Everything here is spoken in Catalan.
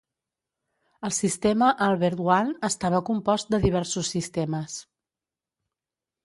El sistema Albert One estava compost de diversos sistemes.